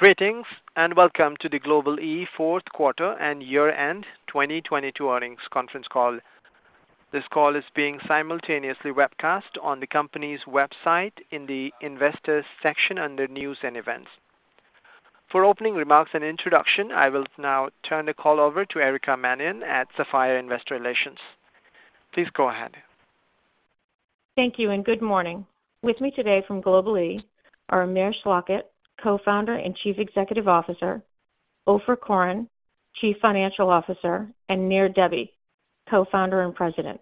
Greetings, welcome to the Global-e fourth quarter and year-end 2022 earnings conference call. This call is being simultaneously webcast on the company's website in the Investors section under News & Events. For opening remarks and introduction, I will now turn the call over to Erica Mannion at Sapphire Investor Relations. Please go ahead. Thank you, and good morning. With me today from Global-e are Amir Schlachet, Co-founder and Chief Executive Officer; Ofer Koren, Chief Financial Officer; and Nir Debbi, Co-founder and President.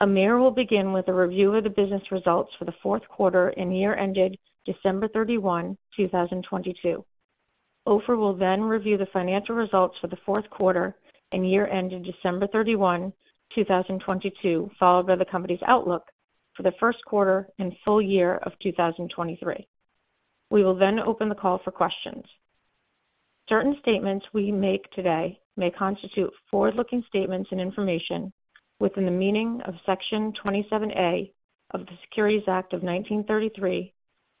Amir will begin with a review of the business results for the fourth quarter and year ended December 31st, 2022. Ofer will review the financial results for the fourth quarter and year ended December 31st, 2022, followed by the company's outlook for the first quarter and full year of 2023. We will open the call for questions. Certain statements we make today may constitute forward-looking statements and information within the meaning of Section 27A of the Securities Act of 1933,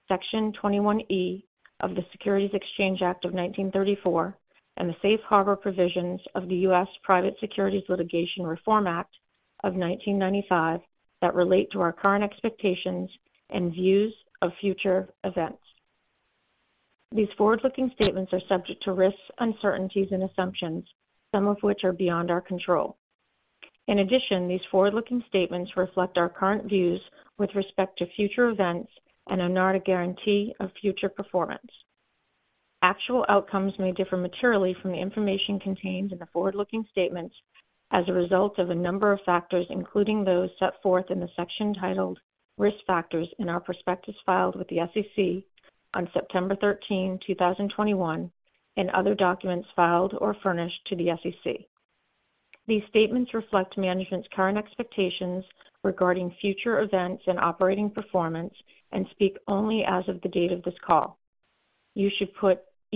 Section 21E of the Securities Exchange Act of 1934, and the safe harbor provisions of the U.S. Private Securities Litigation Reform Act of 1995 that relate to our current expectations and views of future events. These forward-looking statements are subject to risks, uncertainties and assumptions, some of which are beyond our control. In addition, these forward-looking statements reflect our current views with respect to future events and are not a guarantee of future performance. Actual outcomes may differ materially from the information contained in the forward-looking statements as a result of a number of factors, including those set forth in the section titled Risk Factors in our prospectus filed with the SEC on September 13th, 2021, and other documents filed or furnished to the SEC. These statements reflect management's current expectations regarding future events and operating performance and speak only as of the date of this call. You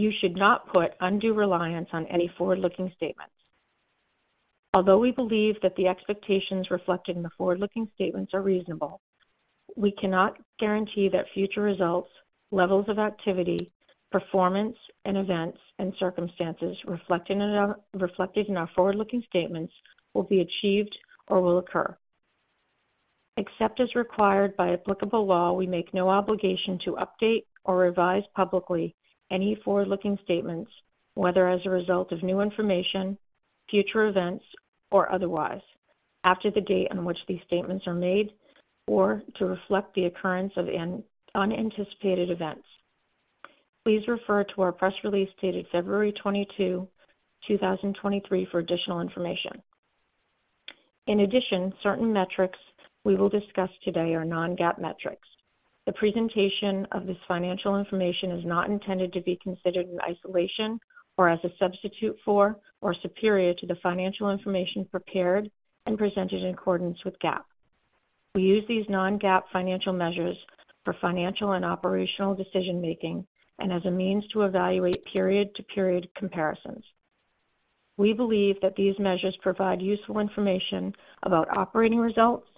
should not put undue reliance on any forward-looking statements. Although we believe that the expectations reflected in the forward-looking statements are reasonable, we cannot guarantee that future results, levels of activity, performance and events and circumstances reflected in our forward-looking statements will be achieved or will occur. Except as required by applicable law, we make no obligation to update or revise publicly any forward-looking statements, whether as a result of new information, future events, or otherwise, after the date on which these statements are made or to reflect the occurrence of unanticipated events. Please refer to our press release dated February 22nd, 2023 for additional information. Certain metrics we will discuss today are Non-GAAP metrics. The presentation of this financial information is not intended to be considered in isolation or as a substitute for or superior to the financial information prepared and presented in accordance with GAAP. We use these Non-GAAP financial measures for financial and operational decision-making and as a means to evaluate period-to-period comparisons. We believe that these measures provide useful information about operating results,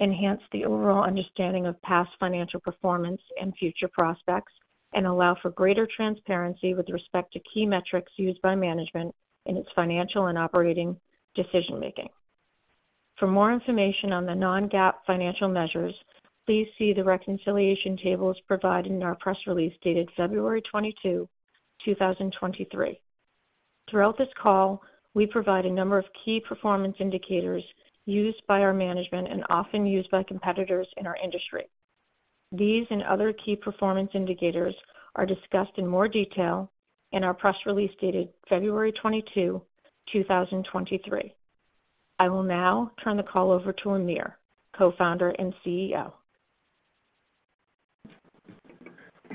enhance the overall understanding of past financial performance and future prospects, and allow for greater transparency with respect to key metrics used by management in its financial and operating decision-making. For more information on the Non-GAAP financial measures, please see the reconciliation tables provided in our press release dated February 22nd, 2023. Throughout this call, we provide a number of key performance indicators used by our management and often used by competitors in our industry. These and other key performance indicators are discussed in more detail in our press release dated February 22nd, 2023. I will now turn the call over to Amir, Co-founder and CEO.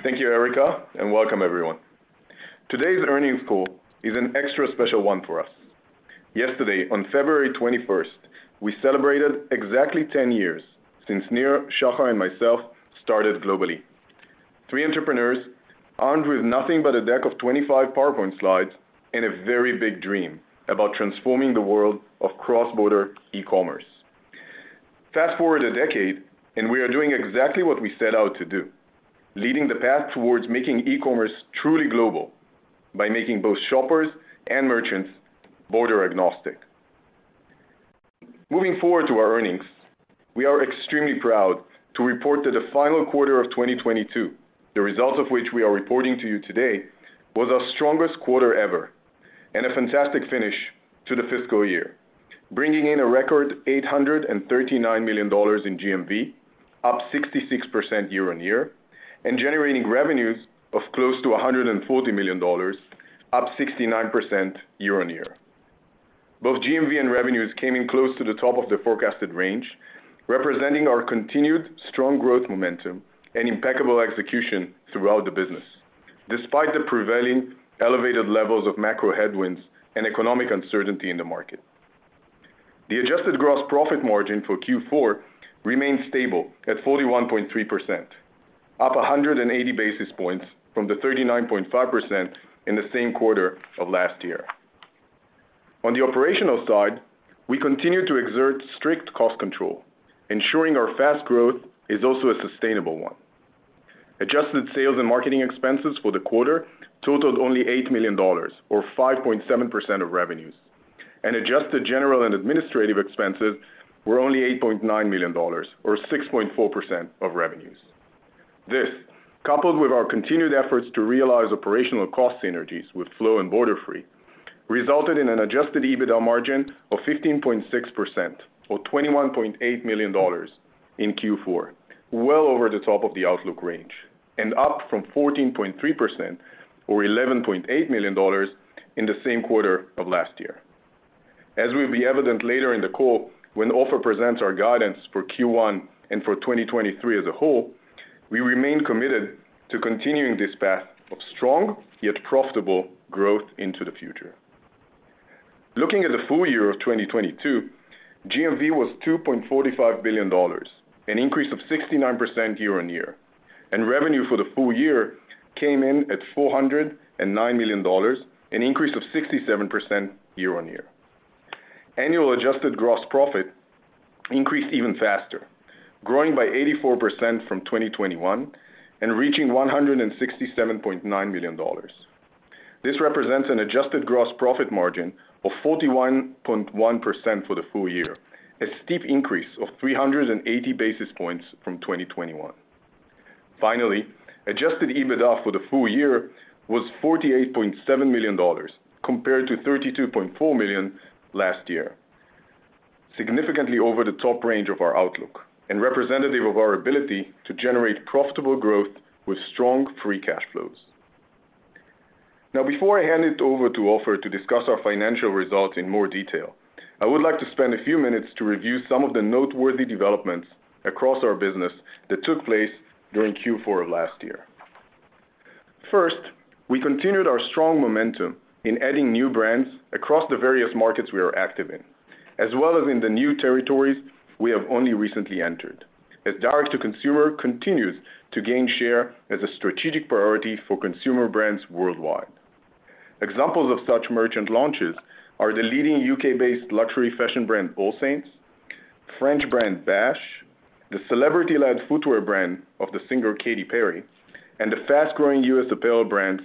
Thank you, Erica. Welcome everyone. Today's earnings call is an extra special one for us. Yesterday, on February 21st, we celebrated exactly 10 years since Nir, Shahar, and myself started Global-e. Three entrepreneurs armed with nothing but a deck of 25 PowerPoint slides and a very big dream about transforming the world of cross-border e-commerce. Fast-forward a decade, we are doing exactly what we set out to do, leading the path towards making e-commerce truly global by making both shoppers and merchants border-agnostic. Moving forward to our earnings, we are extremely proud to report that the final quarter of 2022, the results of which we are reporting to you today, was our strongest quarter ever and a fantastic finish to the fiscal year, bringing in a record $839 million in GMV, up 66% year-on-year, and generating revenues of close to $140 million, up 69% year-on-year. Both GMV and revenues came in close to the top of the forecasted range, representing our continued strong growth momentum and impeccable execution throughout the business, despite the prevailing elevated levels of macro headwinds and economic uncertainty in the market. The adjusted gross profit margin for Q4 remained stable at 41.3%, up 180 basis points from the 39.5% in the same quarter of last year. On the operational side, we continue to exert strict cost control, ensuring our fast growth is also a sustainable one. Adjusted sales and marketing expenses for the quarter totaled only $8 million or 5.7% of revenues. Adjusted general and administrative expenses were only $8.9 million or 6.4% of revenues. This, coupled with our continued efforts to realize operational cost synergies with Flow and Borderfree, resulted in an adjusted EBITDA margin of 15.6% or $21.8 million in Q4, well over the top of the outlook range, and up from 14.3% or $11.8 million in the same quarter of last year. As will be evident later in the call when Ofer presents our guidance for Q1 and for 2023 as a whole, we remain committed to continuing this path of strong, yet profitable growth into the future. Looking at the full year of 2022, GMV was $2.45 billion, an increase of 69% year-on-year, and revenue for the full year came in at $409 million, an increase of 67% year-on-year. Annual adjusted gross profit increased even faster, growing by 84% from 2021 and reaching $167.9 million. This represents an adjusted gross profit margin of 41.1% for the full year, a steep increase of 380 basis points from 2021. Adjusted EBITDA for the full year was $48.7 million compared to $32.4 million last year, significantly over the top range of our outlook and representative of our ability to generate profitable growth with strong free cash flows. Before I hand it over to Ofer to discuss our financial results in more detail, I would like to spend a few minutes to review some of the noteworthy developments across our business that took place during Q4 of last year. First, we continued our strong momentum in adding new brands across the various markets we are active in, as well as in the new territories we have only recently entered, as direct-to-consumer continues to gain share as a strategic priority for consumer brands worldwide. Examples of such merchant launches are the leading U.K.-based luxury fashion brand, AllSaints, French brand, ba&sh, the celebrity-led footwear brand of the singer Katy Perry, and the fast-growing U.S. apparel brands,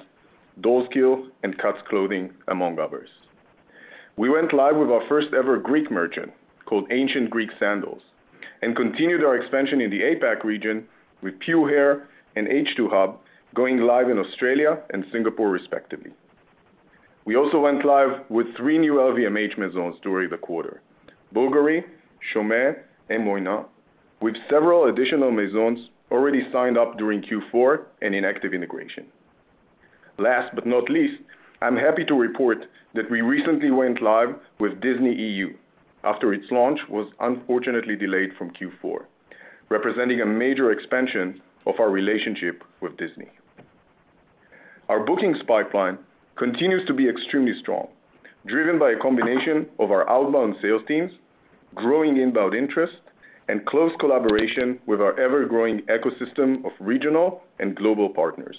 Dolls Kill and Cuts Clothing, among others. We went live with our first ever Greek merchant called Ancient Greek Sandals, and continued our expansion in the APAC region with Pure Haircare and H2 Hub going live in Australia and Singapore respectively. We also went live with three new LVMH Maisons during the quarter, Bulgari, Chaumet, and Moynat, with several additional Maisons already signed up during Q4 and in active integration. Last but not least, I'm happy to report that we recently went live with Disney EU after its launch was unfortunately delayed from Q4, representing a major expansion of our relationship with Disney. Our bookings pipeline continues to be extremely strong, driven by a combination of our outbound sales teams, growing inbound interest, and close collaboration with our ever-growing ecosystem of regional and global partners.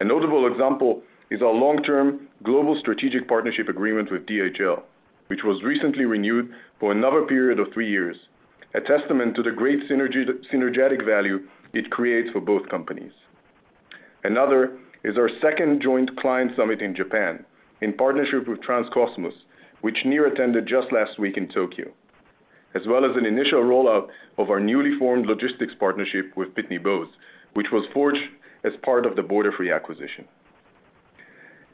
A notable example is our long-term global strategic partnership agreement with DHL, which was recently renewed for another period of three years, a testament to the great synergetic value it creates for both companies. Another is our second joint client summit in Japan in partnership with transcosmos, which Nir attended just last week in Tokyo, as well as an initial rollout of our newly formed logistics partnership with Pitney Bowes, which was forged as part of the Borderfree acquisition.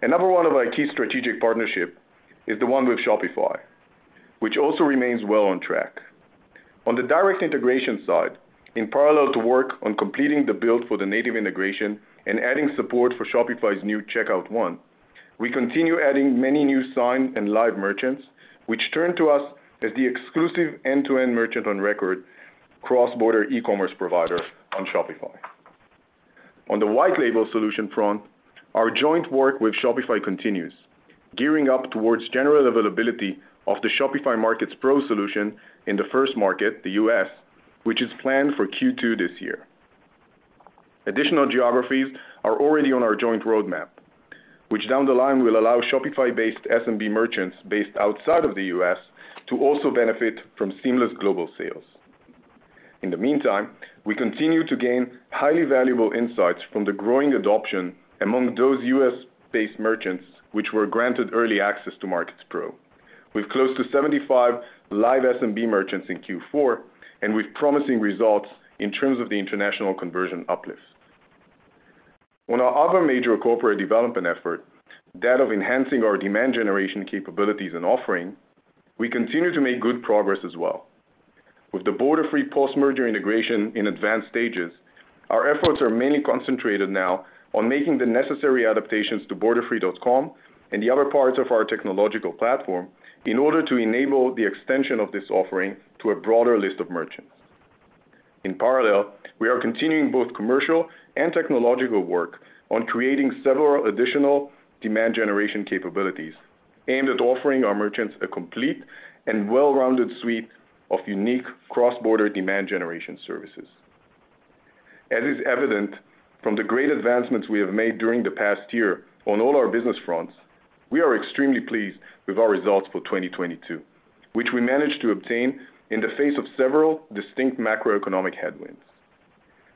Another one of our key strategic partnership is the one with Shopify, which also remains well on track. On the direct integration side, in parallel to work on completing the build for the native integration and adding support for Shopify's new Checkout one, we continue adding many new signed and live merchants, which turn to us as the exclusive end-to-end merchant of record cross-border e-commerce provider on Shopify. On the white label solution front, our joint work with Shopify continues, gearing up towards general availability of the Shopify Markets Pro solution in the first market, the U.S., which is planned for Q2 this year. Additional geographies are already on our joint roadmap, which down the line will allow Shopify-based SMB merchants based outside of the U.S. to also benefit from seamless global sales. In the meantime, we continue to gain highly valuable insights from the growing adoption among those U.S.-based merchants which were granted early access to Markets Pro with close to 75 live SMB merchants in Q4 and with promising results in terms of the international conversion uplifts. On our other major corporate development effort, that of enhancing our demand generation capabilities and offering, we continue to make good progress as well. With the Borderfree post-merger integration in advanced stages, our efforts are mainly concentrated now on making the necessary adaptations to Borderfree.com and the other parts of our technological platform in order to enable the extension of this offering to a broader list of merchants. In parallel, we are continuing both commercial and technological work on creating several additional demand generation capabilities aimed at offering our merchants a complete and well-rounded suite of unique cross-border demand generation services. As is evident from the great advancements we have made during the past year on all our business fronts, we are extremely pleased with our results for 2022, which we managed to obtain in the face of several distinct macroeconomic headwinds.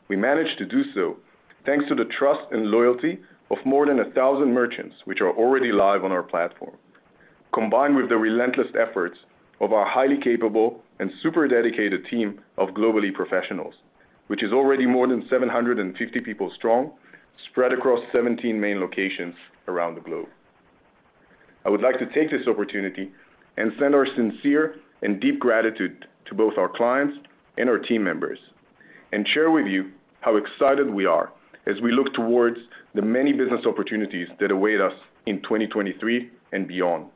We managed to do so thanks to the trust and loyalty of more than 1,000 merchants which are already live on our platform, combined with the relentless efforts of our highly capable and super dedicated team of Global-e professionals, which is already more than 750 people strong, spread across 17 main locations around the globe. I would like to take this opportunity and send our sincere and deep gratitude to both our clients and our team members and share with you how excited we are as we look towards the many business opportunities that await us in 2023 and beyond.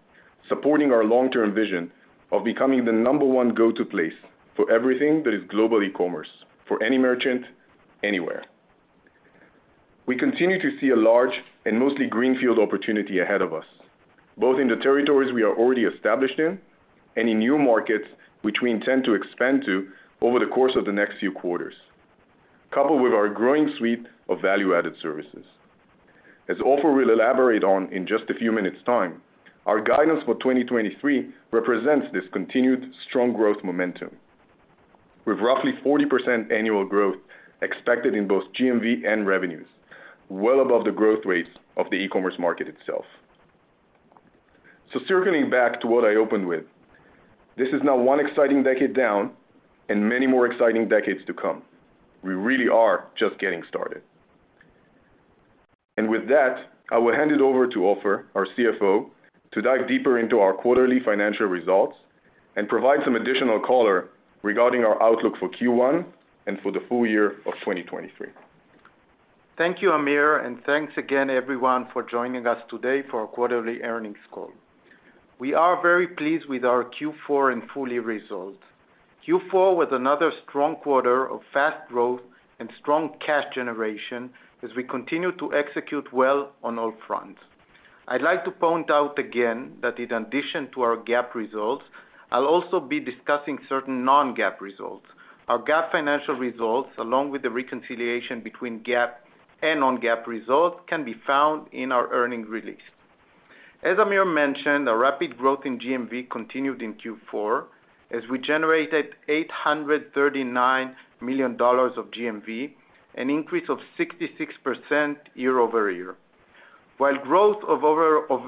Supporting our long-term vision of becoming the number one go-to place for everything that is global e-commerce for any merchant, anywhere. We continue to see a large and mostly greenfield opportunity ahead of us, both in the territories we are already established in and in new markets which we intend to expand to over the course of the next few quarters, coupled with our growing suite of value-added services. As Ofer will elaborate on in just a few minutes time, our guidance for 2023 represents this continued strong growth momentum, with roughly 40% annual growth expected in both GMV and revenues, well above the growth rates of the e-commerce market itself. Circling back to what I opened with, this is now one exciting decade down and many more exciting decades to come. We really are just getting started. With that, I will hand it over to Ofer, our CFO, to dive deeper into our quarterly financial results and provide some additional color regarding our outlook for Q1 and for the full year of 2023. Thank you, Amir, thanks again everyone for joining us today for our quarterly earnings call. We are very pleased with our Q4 and full year results. Q4 was another strong quarter of fast growth and strong cash generation as we continue to execute well on all fronts. I'd like to point out again that in addition to our GAAP results, I'll also be discussing certain Non-GAAP results. Our GAAP financial results, along with the reconciliation between GAAP and Non-GAAP results can be found in our earnings release. As Amir mentioned, our rapid growth in GMV continued in Q4 as we generated $839 million of GMV, an increase of 66% year-over-year. While growth of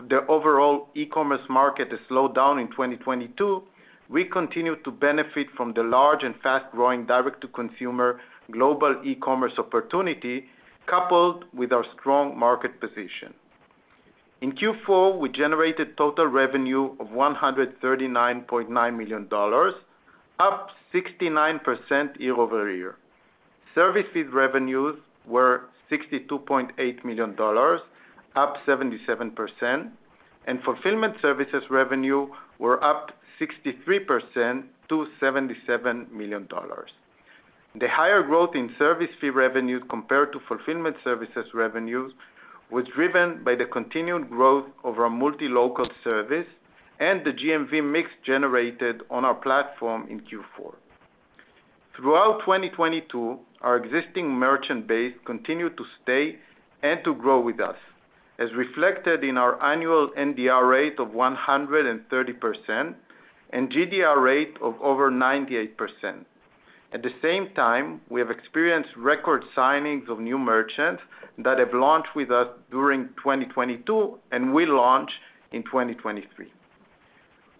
the overall e-commerce market has slowed down in 2022, we continue to benefit from the large and fast-growing direct-to-consumer global e-commerce opportunity, coupled with our strong market position. In Q4, we generated total revenue of $139.9 million, up 69% year-over-year. Service fee revenues were $62.8 million, up 77%, and fulfillment services revenue were up 63% to $77 million. The higher growth in service fee revenues compared to fulfillment services revenues was driven by the continued growth of our multi-local service and the GMV mix generated on our platform in Q4. Throughout 2022, our existing merchant base continued to stay and to grow with us, as reflected in our annual NDR rate of 130% and GDR rate of over 98%. At the same time, we have experienced record signings of new merchants that have launched with us during 2022 and will launch in 2023.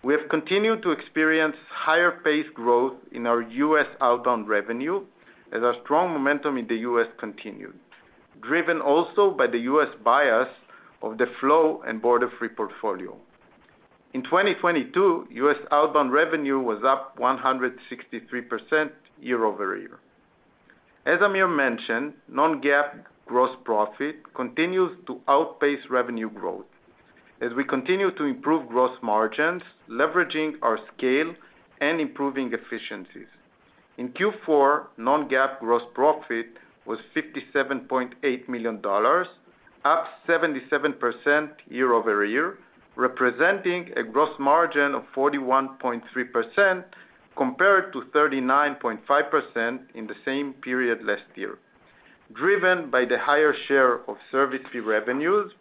We have continued to experience higher paced growth in our U.S. outbound revenue as our strong momentum in the U.S. continued, driven also by the U.S. bias of the Flow Commerce and Borderfree portfolio. In 2022, U.S. outbound revenue was up 163% year-over-year. As Amir mentioned, Non-GAAP gross profit continues to outpace revenue growth as we continue to improve gross margins, leveraging our scale and improving efficiencies. In Q4, Non-GAAP gross profit was $57.8 million, up 77% year-over-year, representing a gross margin of 41.3% compared to 39.5% in the same period last year, driven by the higher share of service fee revenues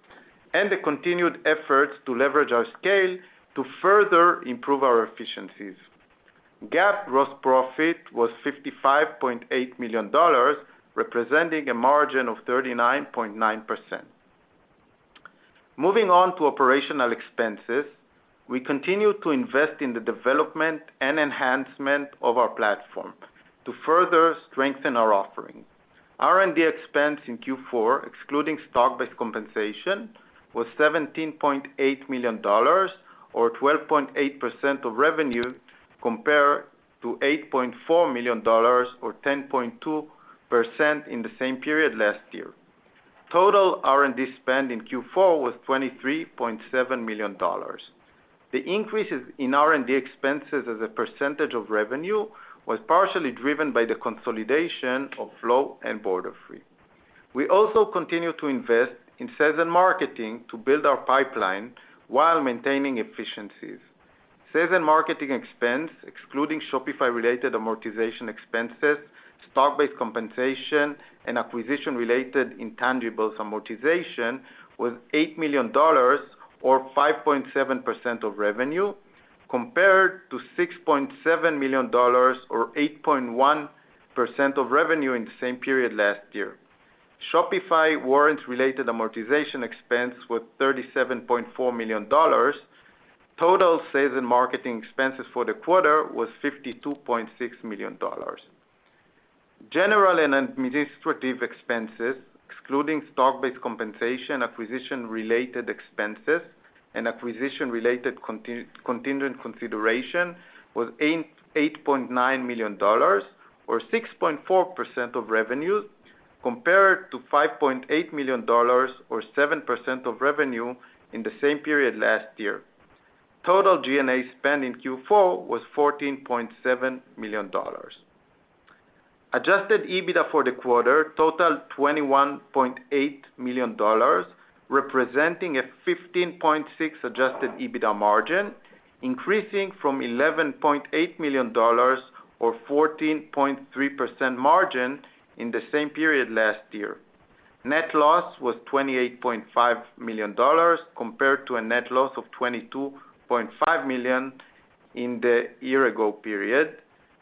and the continued efforts to leverage our scale to further improve our efficiencies. GAAP gross profit was $55.8 million, representing a margin of 39.9%. Moving on to operational expenses, we continue to invest in the development and enhancement of our platform to further strengthen our offering. R&D expense in Q4, excluding stock-based compensation, was $17.8 million or 12.8% of revenue, compared to $8.4 million or 10.2% in the same period last year. Total R&D spend in Q4 was $23.7 million. The increases in R&D expenses as a % of revenue was partially driven by the consolidation of Flow and Borderfree. We also continue to invest in sales and marketing to build our pipeline while maintaining efficiencies. Sales and marketing expense, excluding Shopify-related amortization expenses, stock-based compensation, and acquisition-related intangibles amortization was $8 million, or 5.7% of revenue compared to $6.7 million, or 8.1% of revenue in the same period last year. Shopify warrants related amortization expense was $37.4 million. Total sales and marketing expenses for the quarter was $52.6 million. General and administrative expenses, excluding stock-based compensation, acquisition-related expenses, and acquisition-related continuing consideration was $8.9 million, or 6.4% of revenues, compared to $5.8 million or 7% of revenue in the same period last year. Total G&A spend in Q4 was $14.7 million. Adjusted EBITDA for the quarter totaled $21.8 million, representing a 15.6% adjusted EBITDA margin, increasing from $11.8 million or 14.3% margin in the same period last year. Net loss was $28.5 million compared to a net loss of $22.5 million in the year ago period,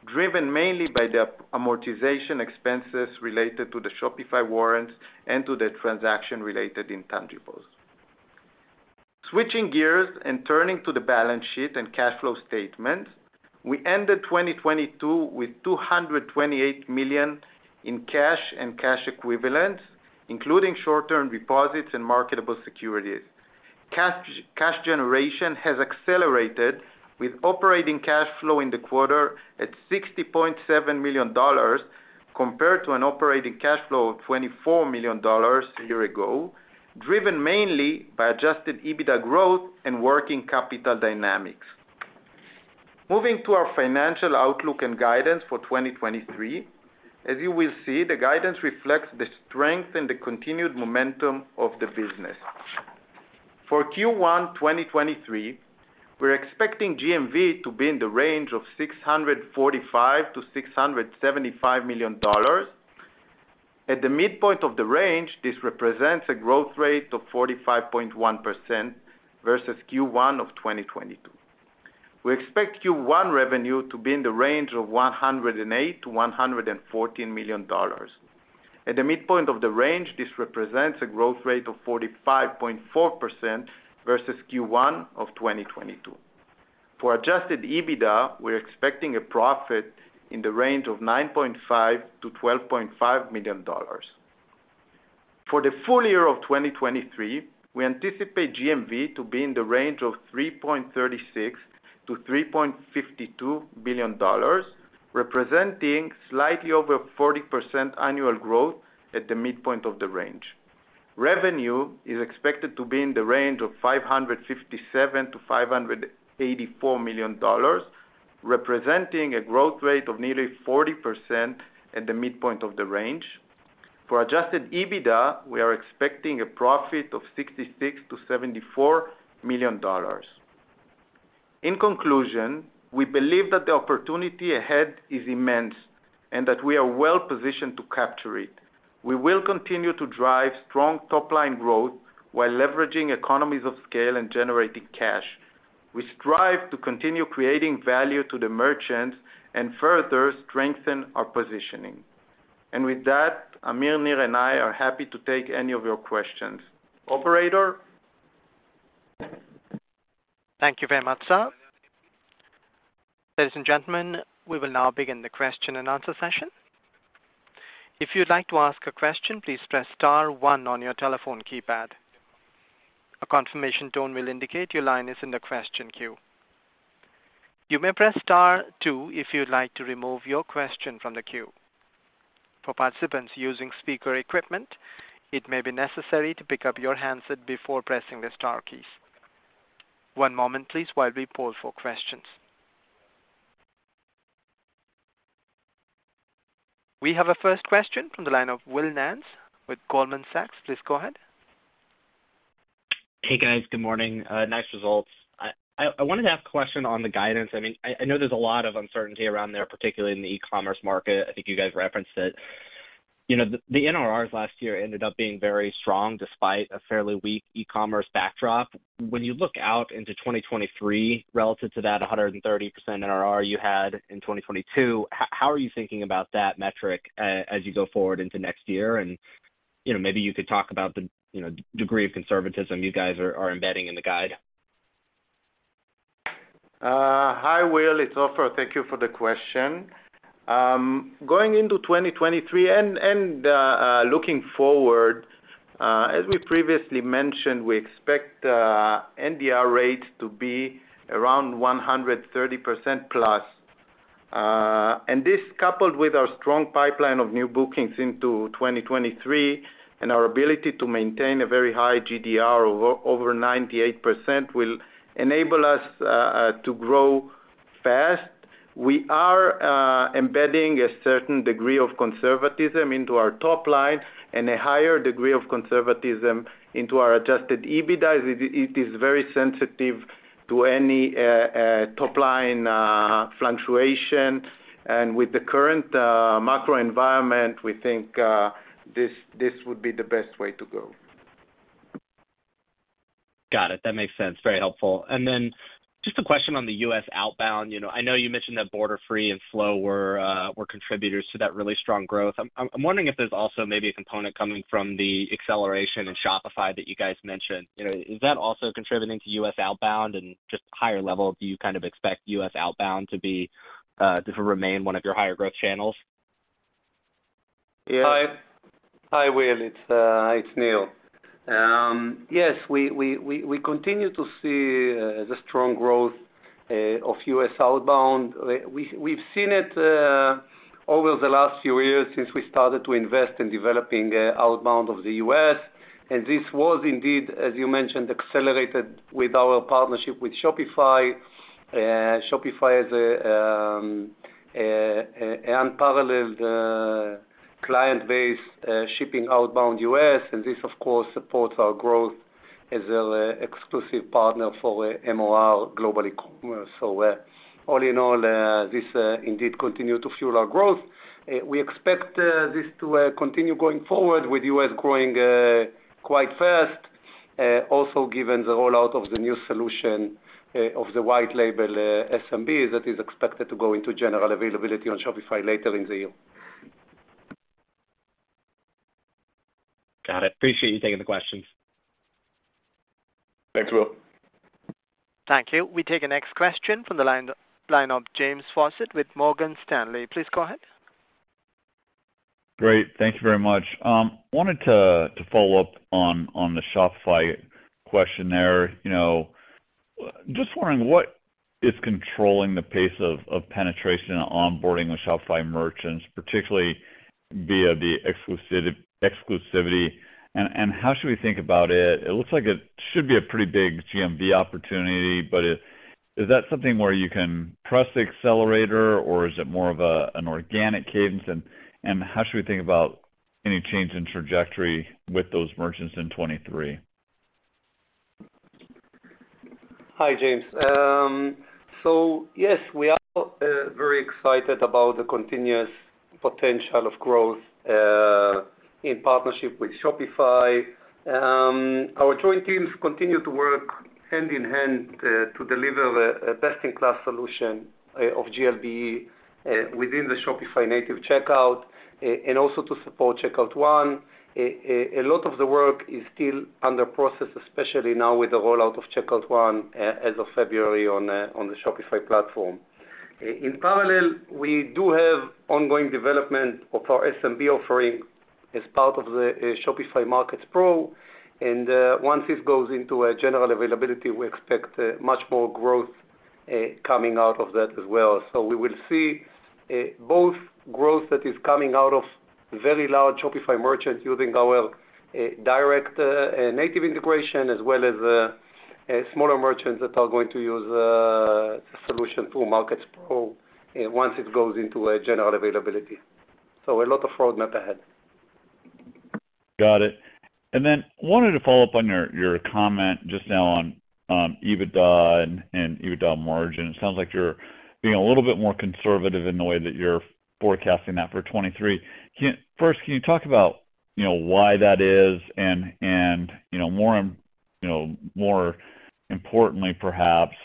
driven mainly by the amortization expenses related to the Shopify warrants and to the transaction-related intangibles. Switching gears and turning to the balance sheet and cash flow statement. We ended 2022 with $228 million in cash and cash equivalents, including short-term deposits and marketable securities. Cash, cash generation has accelerated with operating cash flow in the quarter at $60.7 million compared to an operating cash flow of $24 million a year ago, driven mainly by adjusted EBITDA growth and working capital dynamics. Moving to our financial outlook and guidance for 2023. As you will see, the guidance reflects the strength and the continued momentum of the business. For Q1 2023, we're expecting GMV to be in the range of $645 million-$675 million. At the midpoint of the range, this represents a growth rate of 45.1% versus Q1 of 2022. We expect Q1 revenue to be in the range of $108 million-$114 million. At the midpoint of the range, this represents a growth rate of 45.4% versus Q1 of 2022. For adjusted EBITDA, we're expecting a profit in the range of $9.5 million-$12.5 million. For the full year of 2023, we anticipate GMV to be in the range of $3.36 billion-$3.52 billion, representing slightly over 40% annual growth at the midpoint of the range. Revenue is expected to be in the range of $557 million-$584 million, representing a growth rate of nearly 40% at the midpoint of the range. For adjusted EBITDA, we are expecting a profit of $66 million-$74 million. In conclusion, we believe that the opportunity ahead is immense and that we are well-positioned to capture it. We will continue to drive strong top-line growth while leveraging economies of scale and generating cash. We strive to continue creating value to the merchants and further strengthen our positioning. With that, Amir, Nir, and I are happy to take any of your questions. Operator? Thank you very much, sir. Ladies and gentlemen, we will now begin the question and answer session. If you'd like to ask a question, please press star one on your telephone keypad. A confirmation tone will indicate your line is in the question queue. You may press star two if you'd like to remove your question from the queue. For participants using speaker equipment, it may be necessary to pick up your handset before pressing the star keys. One moment, please, while we poll for questions. We have a first question from the line of Will Nance with Goldman Sachs. Please go ahead. Hey, guys. Good morning. Nice results. I wanted to ask a question on the guidance. I mean, I know there's a lot of uncertainty around there, particularly in the e-commerce market. I think you guys referenced it. You know, the NRR last year ended up being very strong despite a fairly weak e-commerce backdrop. When you look out into 2023 relative to that 130% NRR you had in 2022, how are you thinking about that metric as you go forward into next year? You know, maybe you could talk about the, you know, degree of conservatism you guys are embedding in the guide. Hi, Will. It's Ofer. Thank you for the question. Going into 2023 and looking forward, as we previously mentioned, we expect NDR rates to be around 130%+. This coupled with our strong pipeline of new bookings into 2023 and our ability to maintain a very high GDR over 98% will enable us to grow fast. We are embedding a certain degree of conservatism into our top line and a higher degree of conservatism into our adjusted EBITDA. It is very sensitive to any top line fluctuation. With the current macro environment, we think this would be the best way to go. Got it. That makes sense. Very helpful. Just a question on the U.S. outbound. You know, I know you mentioned that Borderfree and Flow were contributors to that really strong growth. I'm wondering if there's also maybe a component coming from the acceleration in Shopify that you guys mentioned. You know, is that also contributing to U.S. outbound? Just higher level, do you kind of expect U.S. outbound to remain one of your higher growth channels? Yeah. Hi. Hi, Will, it's Nir. Yes, we continue to see the strong growth of U.S. outbound. We've seen it over the last few years since we started to invest in developing outbound of the U.S. This was indeed, as you mentioned, accelerated with our partnership with Shopify. Shopify is an unparalleled client base shipping outbound U.S., and this of course supports our growth as an exclusive partner for MOR global e-commerce. All in all, this indeed continue to fuel our growth. We expect this to continue going forward with U.S. growing quite fast. Also given the rollout of the new solution of the white label SMB that is expected to go into general availability on Shopify later in the year. Got it. Appreciate you taking the questions. Thanks, Will. Thank you. We take the next question from the line of James Faucette with Morgan Stanley. Please go ahead. Great. Thank you very much. Wanted to follow up on the Shopify question there. You know, just wondering what is controlling the pace of penetration and onboarding with Shopify merchants, particularly via the exclusivity, and how should we think about it? It looks like it should be a pretty big GMV opportunity, but is that something where you can press the accelerator or is it more of an organic cadence? How should we think about any change in trajectory with those merchants in 2023? Hi, James. Yes, we are very excited about the continuous potential of growth in partnership with Shopify. Our joint teams continue to work hand in hand to deliver the best-in-class solution of GLBE within the Shopify native checkout and also to support one-page checkout. A lot of the work is still under process, especially now with the rollout of one-page checkout as of February on the Shopify platform. In parallel, we do have ongoing development of our SMB offering as part of the Shopify Markets Pro. Once this goes into a general availability, we expect much more growth coming out of that as well. We will see both growth that is coming out of very large Shopify merchants using our direct native integration, as well as smaller merchants that are going to use the solution through Markets Pro once it goes into a general availability. A lot of roadmap ahead. Got it. Wanted to follow up on your comment just now on EBITDA and EBITDA margin. It sounds like you're being a little bit more conservative in the way that you're forecasting that for 2023. First, can you talk about, you know, why that is and you know, more importantly perhaps,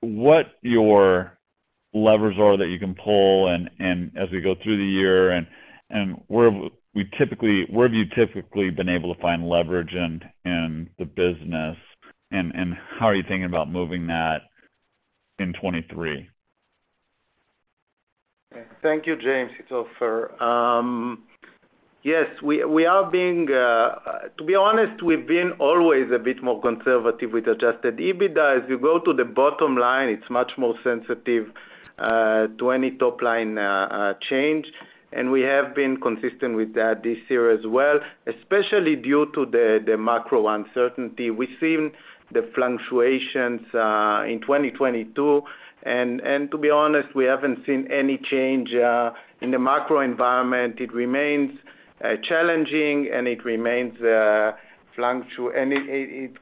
what your levers are that you can pull and as we go through the year and where have you typically been able to find leverage in the business, and how are you thinking about moving that in 2023? Thank you, James. It's Ofer. Yes, we are being, to be honest, we've been always a bit more conservative with adjusted EBITDA. As you go to the bottom line, it's much more sensitive to any top line change. We have been consistent with that this year as well, especially due to the macro uncertainty. We've seen the fluctuations in 2022. To be honest, we haven't seen any change in the macro environment. It remains challenging, and it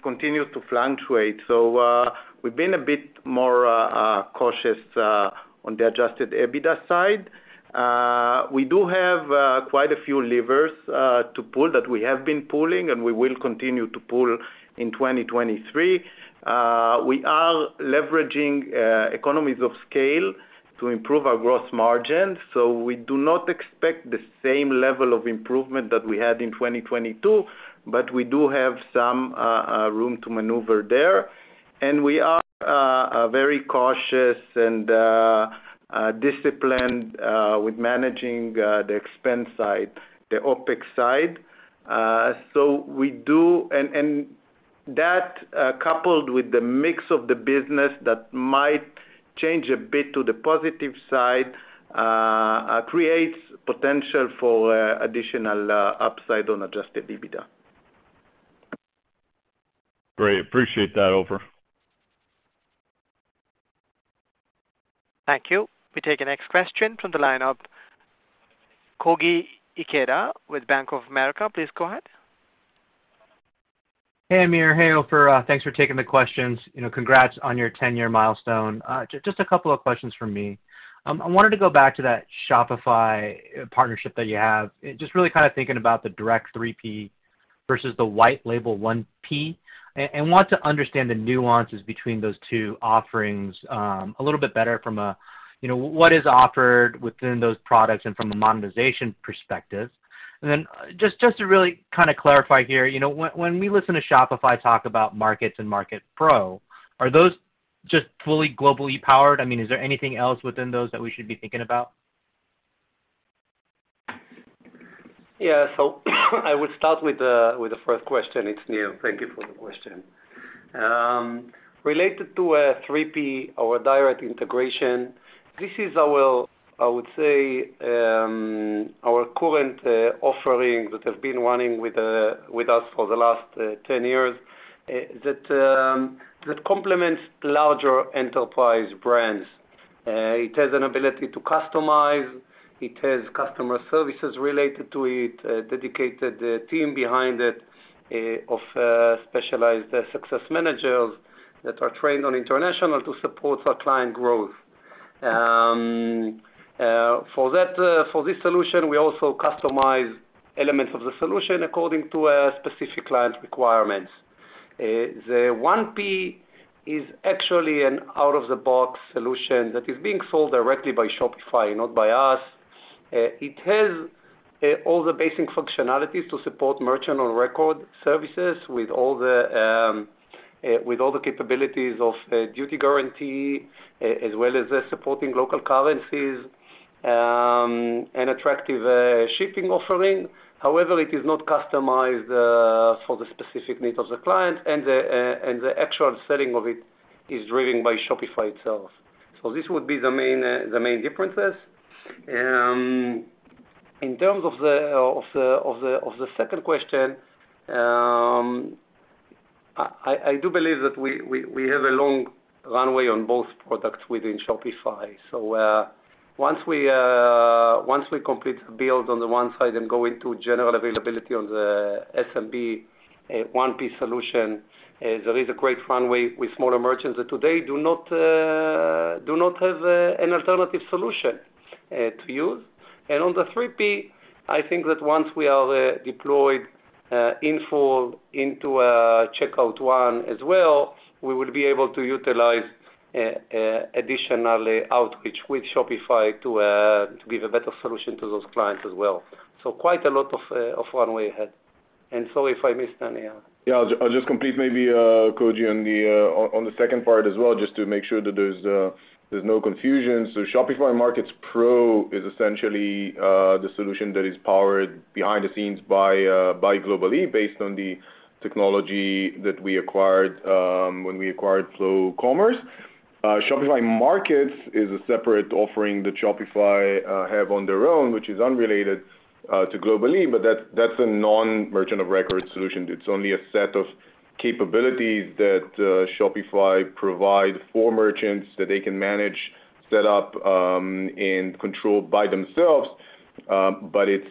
continues to fluctuate. We've been a bit more cautious on the adjusted EBITDA side. We do have quite a few levers to pull that we have been pulling, and we will continue to pull in 2023. We are leveraging economies of scale to improve our gross margins. We do not expect the same level of improvement that we had in 2022, but we do have some room to maneuver there. We are very cautious and disciplined with managing the expense side, the OpEx side. That coupled with the mix of the business that might change a bit to the positive side, creates potential for additional upside on adjusted EBITDA. Great. Appreciate that, Ofer. Thank you. We take the next question from the line of Koji Ikeda with Bank of America. Please go ahead. Hey, Amir. Hey, Ofer. Thanks for taking the questions. You know, congrats on your 10-year milestone. Just a couple of questions from me. I wanted to go back to that Shopify partnership that you have. Just really kinda thinking about the direct 3P versus the white label 1P. And want to understand the nuances between those two offerings, a little bit better from a, you know, what is offered within those products and from a monetization perspective. Then just to really kinda clarify here, you know, when we listen to Shopify talk about Shopify Markets and Shopify Markets Pro, are those just fully Global-e powered? I mean, is there anything else within those that we should be thinking about? I would start with the first question. It's Nir. Thank you for the question. Related to 3P or direct integration, this is our, I would say, our current offering that has been running with us for the last 10 years, that complements larger enterprise brands. It has an ability to customize. It has customer services related to it, a dedicated team behind it, of specialized success managers that are trained on international to support our client growth. For this solution, we also customize elements of the solution according to a specific client's requirements. The 1P is actually an out-of-the-box solution that is being sold directly by Shopify, not by us. It has all the basic functionalities to support merchant of record services with all the capabilities of duty guarantee, as well as the supporting local currencies, an attractive shipping offering. It is not customized for the specific needs of the client, and the actual selling of it is driven by Shopify itself. This would be the main differences. In terms of the second question, I do believe that we have a long runway on both products within Shopify. Once we complete the build on the one side and go into general availability on the SMB 1P solution, there is a great runway with smaller merchants that today do not have an alternative solution to use. On the 3P, I think that once we are deployed in full into checkout one as well, we will be able to utilize additionally outreach with Shopify to give a better solution to those clients as well. Quite a lot of runway ahead. Sorry if I missed any. Yeah. I'll just complete maybe Koji, on the second part as well, just to make sure that there's no confusion. Shopify Markets Pro is essentially the solution that is powered behind the scenes by Global-e, based on the technology that we acquired when we acquired Flow Commerce. Shopify Markets is a separate offering that Shopify have on their own, which is unrelated to Global-e, but that's a non-merchant of record solution. It's only a set of capabilities that Shopify provide for merchants that they can manage, set up, and control by themselves. But it's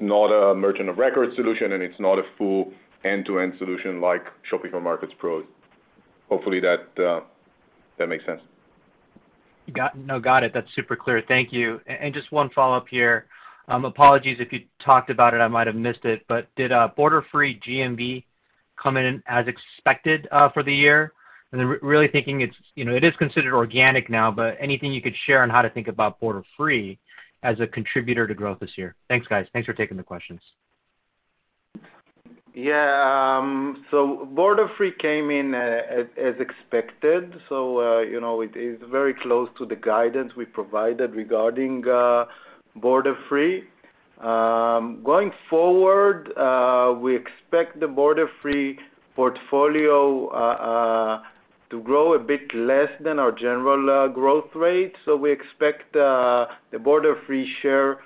not a merchant of record solution, and it's not a full end-to-end solution like Shopify Markets Pro. Hopefully that makes sense. No, got it. That's super clear. Thank you. Just one follow-up here. Apologies if you talked about it, I might have missed it, but did Borderfree GMV come in as expected for the year? Really thinking it's, you know, it is considered organic now, but anything you could share on how to think about Borderfree as a contributor to growth this year. Thanks, guys. Thanks for taking the questions. Borderfree came in as expected. You know, it is very close to the guidance we provided regarding Borderfree. Going forward, we expect the Borderfree portfolio to grow a bit less than our general growth rate. We expect the Borderfree share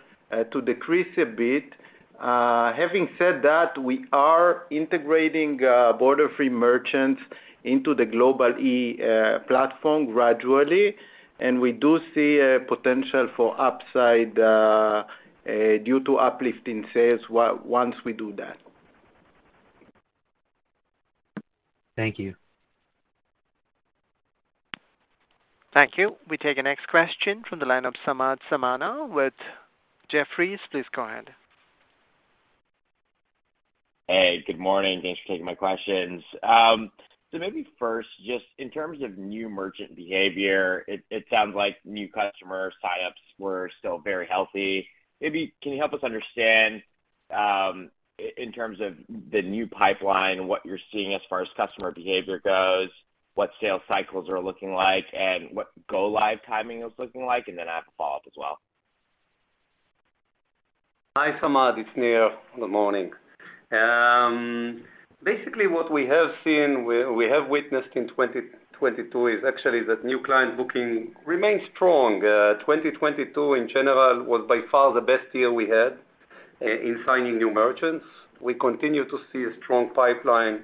to decrease a bit. Having said that, we are integrating Borderfree merchants into the Global-e platform gradually, and we do see a potential for upside due to uplift in sales once we do that. Thank you. Thank you. We take the next question from the line of Samad Samana with Jefferies. Please go ahead. Hey, good morning. Thanks for taking my questions. Maybe first, just in terms of new merchant behavior, it sounds like new customer sign-ups were still very healthy. Maybe can you help us understand in terms of the new pipeline, what you're seeing as far as customer behavior goes, what sales cycles are looking like, and what go live timing is looking like? Then I have a follow-up as well. Hi, Samad. It's Nir. Good morning. Basically what we have seen, we have witnessed in 2022 is actually that new client booking remains strong. 2022 in general was by far the best year we had in signing new merchants. We continue to see a strong pipeline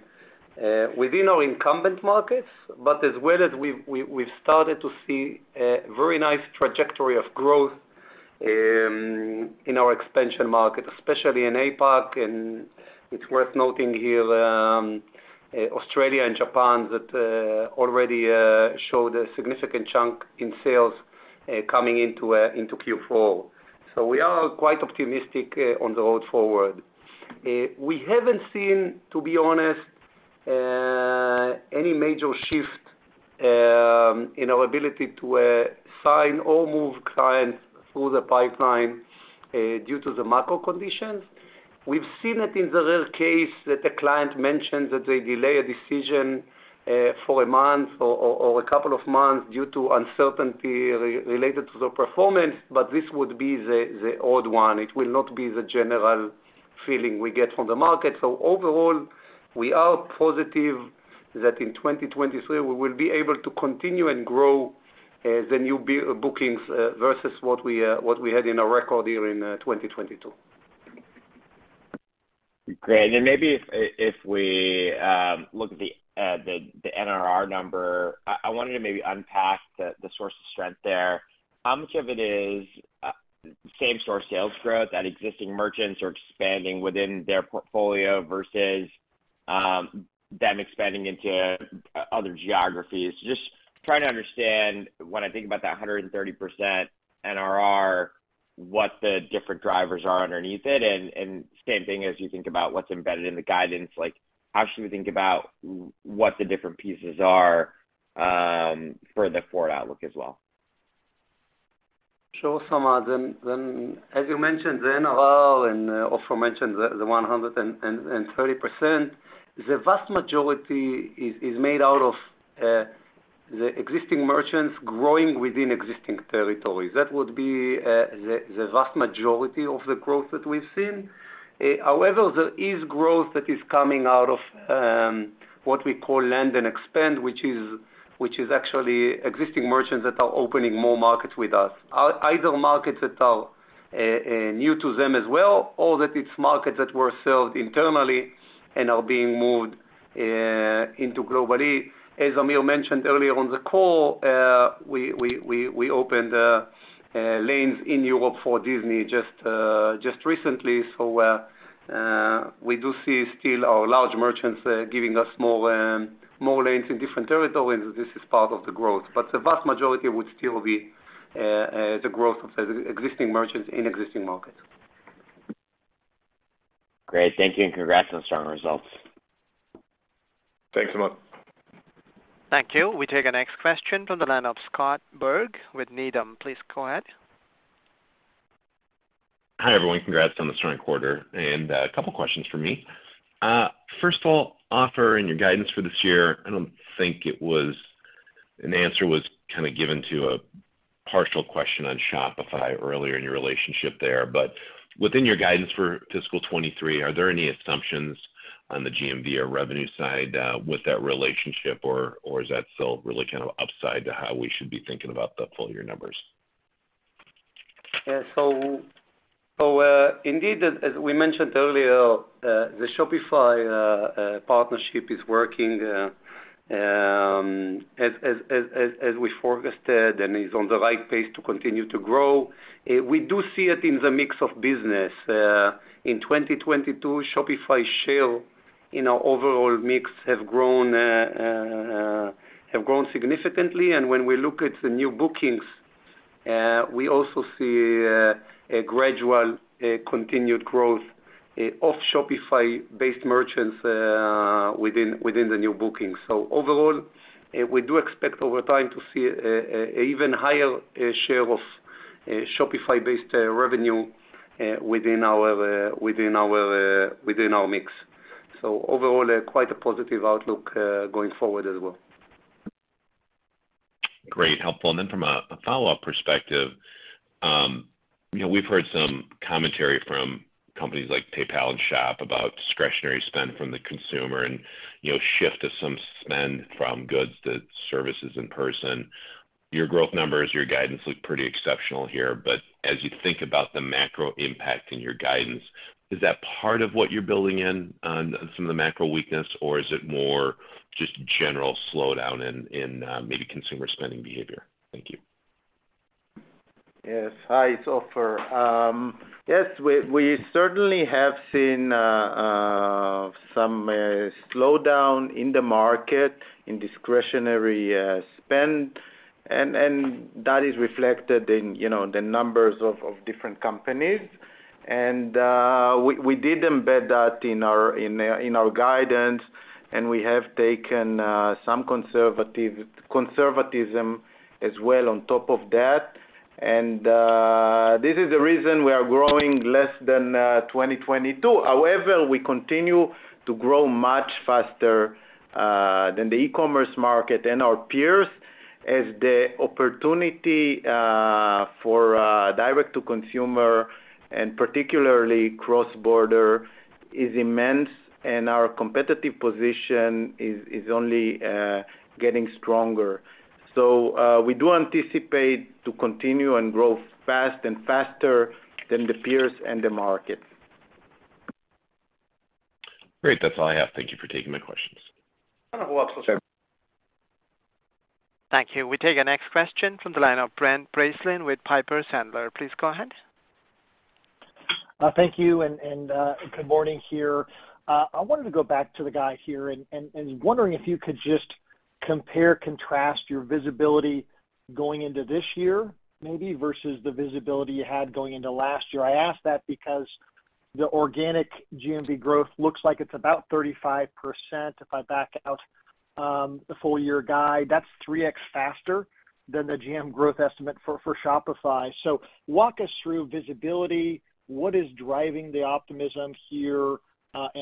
within our incumbent markets, but as well as we've started to see a very nice trajectory of growth in our expansion market, especially in APAC. It's worth noting here, Australia and Japan that already showed a significant chunk in sales coming into Q4. We are quite optimistic on the road forward. We haven't seen, to be honest, any major shift in our ability to sign or move clients through the pipeline due to the macro conditions. We've seen it in the real case that the client mentions that they delay a decision, for a month or a couple of months due to uncertainty related to the performance. This would be the odd one. It will not be the general feeling we get from the market. Overall, we are positive that in 2023, we will be able to continue and grow the new bookings versus what we what we had in our record year in 2022. Great. Maybe if we look at the NRR number, I wanted to unpack the source of strength there. How much of it is same-store sales growth that existing merchants are expanding within their portfolio versus them expanding into other geographies? Just trying to understand when I think about that 130% NRR, what the different drivers are underneath it. Same thing as you think about what's embedded in the guidance. Like, how should we think about what the different pieces are for the forward outlook as well? Sure, Samad Samana. As you mentioned, the NRR, Ofer Koren mentioned the 130%, the vast majority is made out of the existing merchants growing within existing territories. That would be the vast majority of the growth that we've seen. However, there is growth that is coming out of what we call land and expand, which is actually existing merchants that are opening more markets with us. Either markets that are new to them as well, or that it's markets that were sold internally and are being moved into Global-e. As Amir Schlachet mentioned earlier on the call, we opened lanes in Europe for Disney just recently. We do see still our large merchants giving us more lanes in different territories. This is part of the growth. The vast majority would still be the growth of the existing merchants in existing markets. Great. Thank you, and congrats on the strong results. Thanks a lot. Thank you. We take our next question from the line of Scott Berg with Needham. Please go ahead. Hi, everyone. Congrats on the strong quarter. A couple of questions from me. First of all, Ofer, in your guidance for this year, I don't think an answer was kinda given to a partial question on Shopify earlier in your relationship there. Within your guidance for fiscal 2023, are there any assumptions on the GMV or revenue side with that relationship or is that still really kind of upside to how we should be thinking about the full year numbers? Indeed, as we mentioned earlier, the Shopify partnership is working as we forecasted and is on the right pace to continue to grow. We do see it in the mix of business. In 2022, Shopify share in our overall mix have grown significantly. When we look at the new bookings, we also see a gradual continued growth of Shopify-based merchants within the new bookings. Overall, we do expect over time to see a even higher share of Shopify-based revenue within our mix. Overall, quite a positive outlook going forward as well. Great. Helpful. From a follow-up perspective, you know, we've heard some commentary from companies like PayPal and Shop about discretionary spend from the consumer and, you know, shift of some spend from goods to services in person. Your growth numbers, your guidance look pretty exceptional here. As you think about the macro impact in your guidance, is that part of what you're building in on some of the macro weakness, or is it more just general slowdown in, maybe consumer spending behavior? Thank you. Yes. Hi, it's Ofer. We certainly have seen some slowdown in the market in discretionary spend, and that is reflected in, you know, the numbers of different companies. We did embed that in our guidance, and we have taken some conservatism as well on top of that. This is the reason we are growing less than 2022. However, we continue to grow much faster than the e-commerce market and our peers as the opportunity for direct-to-consumer and particularly cross-border- Is immense, and our competitive position is only getting stronger. We do anticipate to continue and grow fast and faster than the peers and the market. Great. That's all I have. Thank you for taking my questions. Well, absolutely. Thank you. We take our next question from the line of Brent Bracelin with Piper Sandler. Please go ahead. Thank you, and good morning here. I wanted to go back to the guide here and wondering if you could just compare and contrast your visibility going into this year maybe versus the visibility you had going into last year. I ask that because the organic GMV growth looks like it's about 35% if I back out the full year guide. That's 3x faster than the GM growth estimate for Shopify. Walk us through visibility. What is driving the optimism here? Compare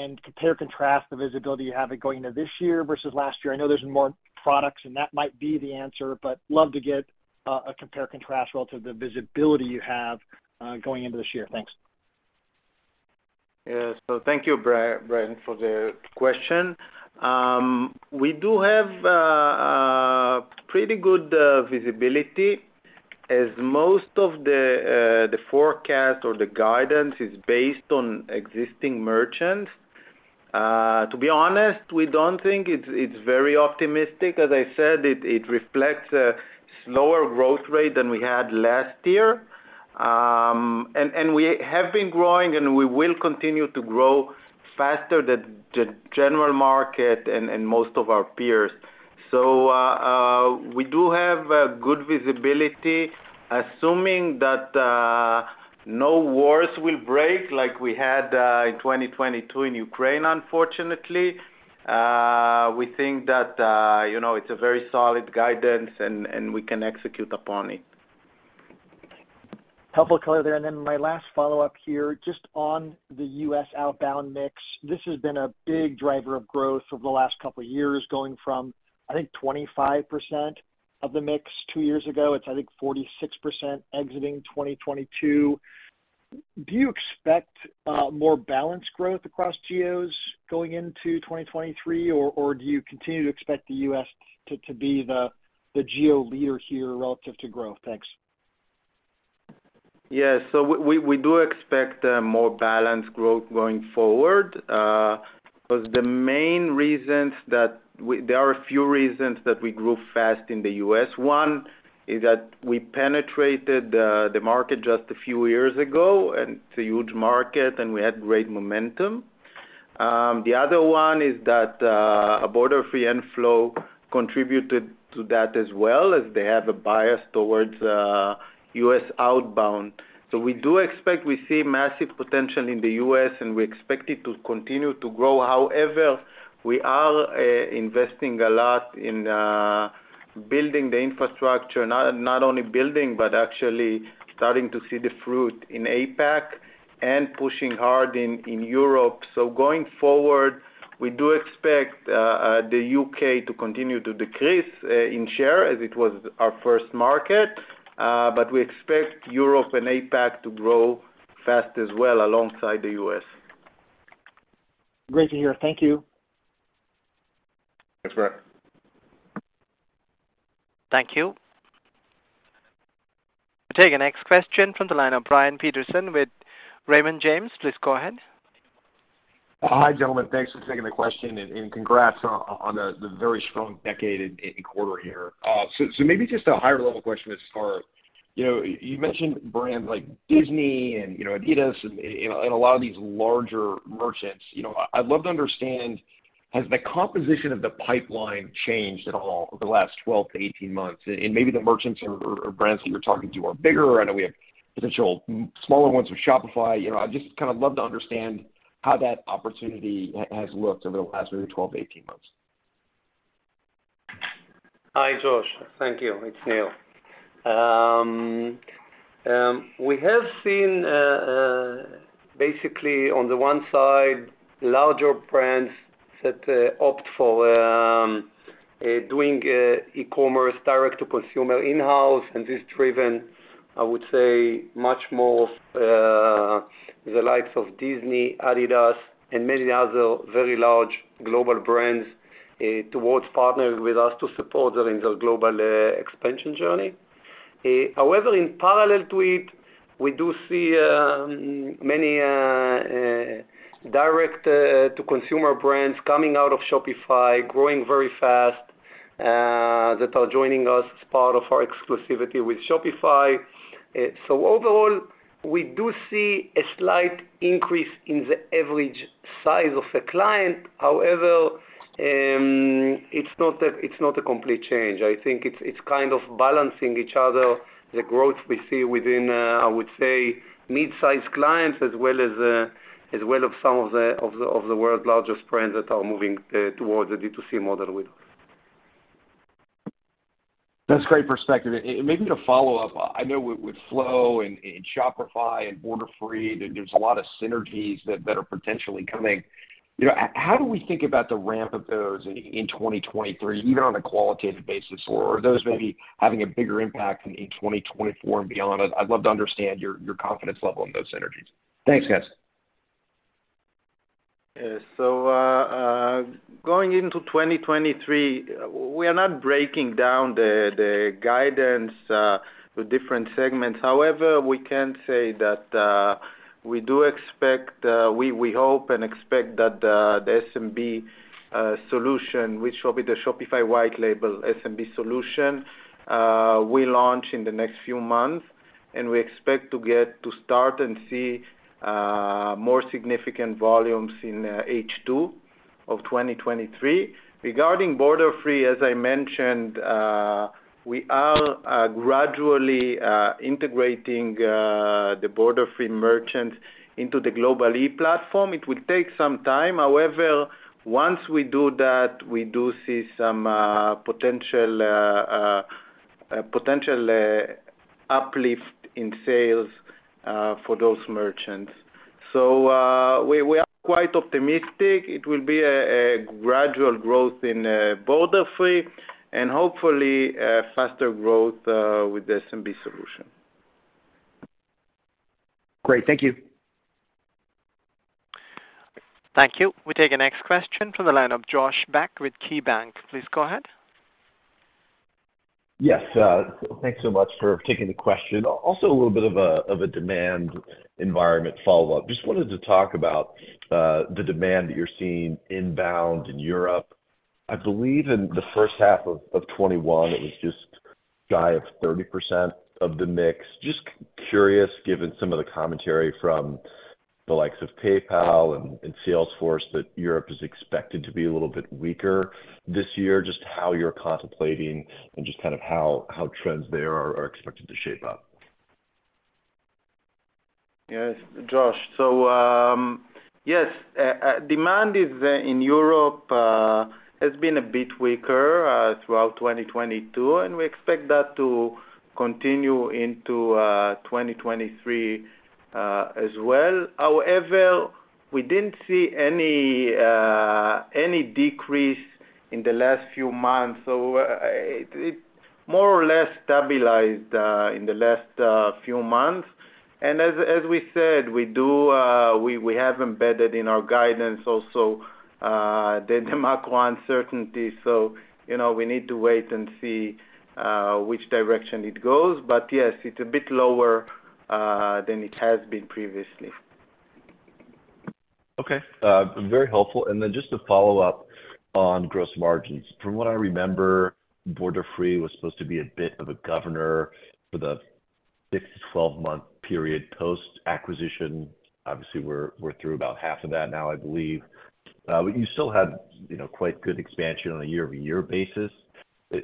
and contrast the visibility you're having going into this year versus last year. I know there's more products, and that might be the answer, but love to get a compare and contrast relative to the visibility you have going into this year. Thanks. Yes. Thank you, Brent, for the question. We do have pretty good visibility as most of the forecast or the guidance is based on existing merchants. To be honest, we don't think it's very optimistic. As I said, it reflects a slower growth rate than we had last year. And we have been growing, and we will continue to grow faster than the general market and most of our peers. We do have good visibility, assuming that no wars will break like we had in 2022 in Ukraine, unfortunately. We think that, you know, it's a very solid guidance and we can execute upon it. Helpful color there. Then my last follow-up here, just on the US outbound mix. This has been a big driver of growth over the last couple of years, going from, I think, 25% of the mix two years ago. It's, I think, 46% exiting 2022. Do you expect more balanced growth across geos going into 2023, or do you continue to expect the US to be the geo leader here relative to growth? Thanks. Yes. We do expect more balanced growth going forward. Because the main reasons that there are a few reasons that we grew fast in the U.S. One is that we penetrated the market just a few years ago, and it's a huge market, and we had great momentum. The other one is that Borderfree and Flow contributed to that as well, as they have a bias towards U.S. outbound. We do expect we see massive potential in the U.S., and we expect it to continue to grow. However, we are investing a lot in building the infrastructure. Not only building, but actually starting to see the fruit in APAC and pushing hard in Europe. Going forward, we do expect the U.K. to continue to decrease in share as it was our first market. We expect Europe and APAC to grow fast as well alongside the U.S. Great to hear. Thank you. Thanks, Brent. Thank you. We take our next question from the line of Brian Peterson with Raymond James. Please go ahead. Hi, gentlemen. Thanks for taking the question and congrats on the very strong decade and quarter here. Maybe just a higher level question as far, you know, you mentioned brands like Disney and, you know, adidas and a lot of these larger merchants. You know, I'd love to understand, has the composition of the pipeline changed at all over the last 12 months-18 months? Maybe the merchants or brands that you're talking to are bigger. I know we have potential smaller ones with Shopify. You know, I'd just kind of love to understand how that opportunity has looked over the last maybe 12 months-18 months. Hi, Josh. Thank you. It's Nir. We have seen basically on the one side, larger brands that opt for doing e-commerce direct-to-consumer in-house. This is driven, I would say, much more the likes of Disney, adidas, and many other very large global brands towards partnering with us to support them in their global expansion journey. However, in parallel to it, we do see many direct-to-consumer brands coming out of Shopify growing very fast that are joining us as part of our exclusivity with Shopify. Overall, we do see a slight increase in the average size of a client. However, it's not a complete change. I think it's kind of balancing each other, the growth we see within, I would say mid-size clients as well as well of some of the world's largest brands that are moving towards the D2C model with us. That's great perspective. Maybe to follow up, I know with Flow and Shopify and Borderfree, there's a lot of synergies that are potentially coming. You know, how do we think about the ramp of those in 2023, even on a qualitative basis? Or are those maybe having a bigger impact in 2024 and beyond? I'd love to understand your confidence level in those synergies. Thanks, guys. Yes. Going into 2023, we are not breaking down the guidance, the different segments. However, we can say that we do expect, we hope and expect that the SMB solution, which will be the Shopify White label SMB solution, will launch in the next few months, and we expect to get to start and see more significant volumes in H2 of 2023. Regarding Borderfree, as I mentioned, we are gradually integrating the Borderfree merchants into the Global-e platform. It will take some time. However, once we do that, we do see some potential uplift in sales for those merchants. We are quite optimistic it will be a gradual growth in Borderfree and hopefully a faster growth with the SMB solution. Great. Thank you. Thank you. We take the next question from the line of Josh Beck with KeyBanc. Please go ahead. Yes. Thanks so much for taking the question. Also a little bit of a demand environment follow-up. Just wanted to talk about the demand that you're seeing inbound in Europe. I believe in the first half of 2021 it was just sky of 30% of the mix. Just curious, given some of the commentary from the likes of PayPal and Salesforce, that Europe is expected to be a little bit weaker this year, just how you're contemplating and just kind of how trends there are expected to shape up. Yes, demand in Europe has been a bit weaker throughout 2022, and we expect that to continue into 2023 as well. However, we didn't see any decrease in the last few months. It more or less stabilized in the last few months. As we said, we do we have embedded in our guidance also the macro uncertainty. You know, we need to wait and see which direction it goes. Yes, it's a bit lower than it has been previously. Okay, very helpful. Just to follow up on gross margins. From what I remember, Borderfree was supposed to be a bit of a governor for the six to 12-month period post-acquisition. Obviously we're through about half of that now, I believe. You still had, you know, quite good expansion on a year-over-year basis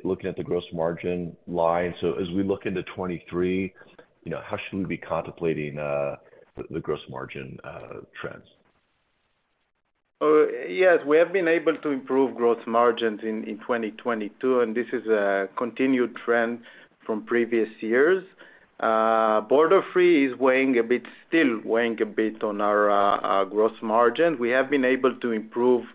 looking at the gross margin line. As we look into 2023, you know, how should we be contemplating the gross margin trends? Yes, we have been able to improve gross margins in 2022. This is a continued trend from previous years. Borderfree is weighing a bit still weighing a bit on our gross margin. We have been able to improve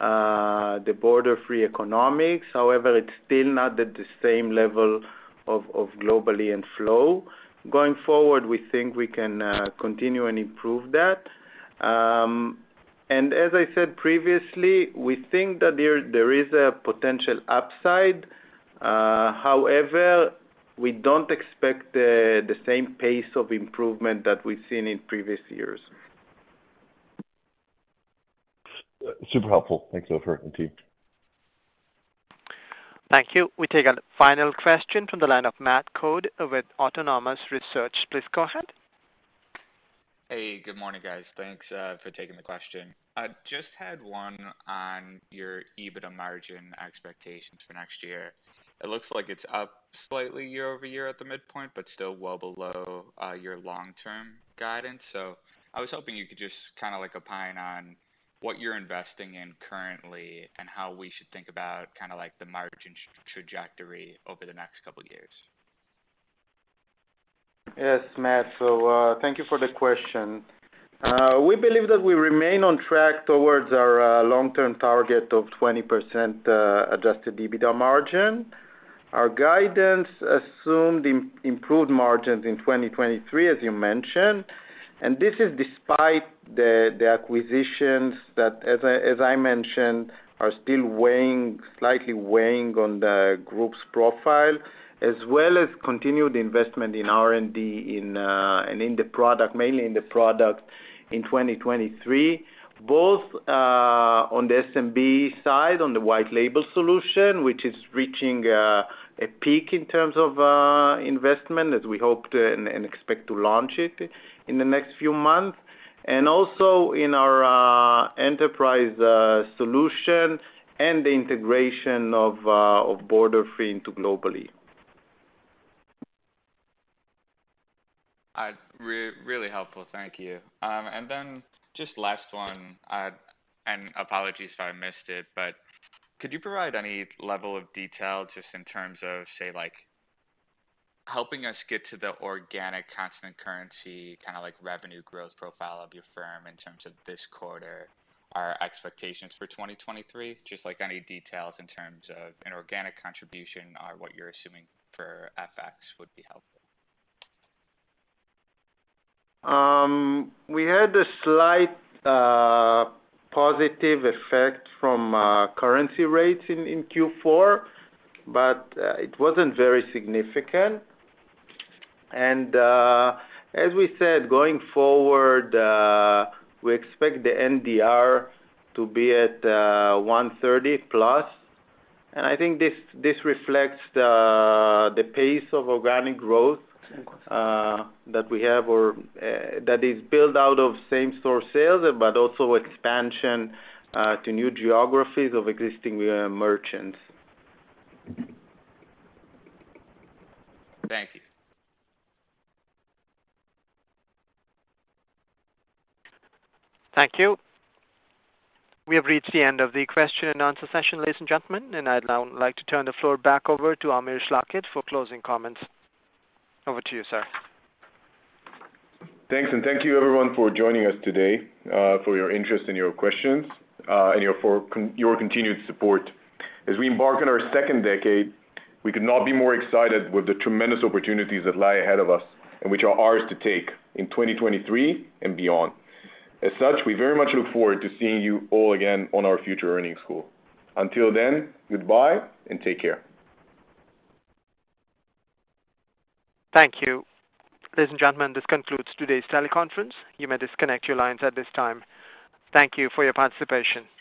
the Borderfree economics. However, it's still not at the same level of Global-e and Flow. Going forward, we think we can continue and improve that. As I said previously, we think that there is a potential upside. However, we don't expect the same pace of improvement that we've seen in previous years. Super helpful. Thanks, Ofer and team. Thank you. We take a final question from the line of Matt Coad with Autonomous Research. Please go ahead. Hey, good morning, guys. Thanks for taking the question. I just had one on your EBITDA margin expectations for next year. It looks like it's up slightly year-over-year at the midpoint, but still well below your long-term guidance. I was hoping you could just kinda like opine on what you're investing in currently and how we should think about kinda like the margin trajectory over the next couple of years. Yes, Matt. Thank you for the question. We believe that we remain on track towards our long-term target of 20% adjusted EBITDA margin. Our guidance assumed improved margins in 2023, as you mentioned. This is despite the acquisitions that, as I mentioned, are still slightly weighing on the group's profile, as well as continued investment in R&D and in the product, mainly in the product in 2023, both on the SMB side, on the white label solution, which is reaching a peak in terms of investment as we hope to and expect to launch it in the next few months, and also in our enterprise solution and the integration of Borderfree into Global-e. Really helpful. Thank you. Just last one. Apologies if I missed it, but could you provide any level of detail just in terms of, say, likeHelping us get to the organic constant currency, kind of like revenue growth profile of your firm in terms of this quarter or expectations for 2023. Just like any details in terms of an organic contribution or what you're assuming for FX would be helpful. We had a slight positive effect from currency rates in Q4, but it wasn't very significant. As we said, going forward, we expect the NDR to be at 130%+. I think this reflects the pace of organic growth that we have or that is built out of same-store sales, but also expansion to new geographies of existing merchants. Thank you. Thank you. We have reached the end of the question and answer session, ladies and gentlemen. I'd now like to turn the floor back over to Amir Schlachet for closing comments. Over to you, sir. Thanks. Thank you everyone for joining us today, for your interest and your questions, and your continued support. As we embark on our second decade, we could not be more excited with the tremendous opportunities that lie ahead of us and which are ours to take in 2023 and beyond. We very much look forward to seeing you all again on our future earnings call. Until then, goodbye and take care. Thank you. Ladies and gentlemen, this concludes today's teleconference. You may disconnect your lines at this time. Thank you for your participation.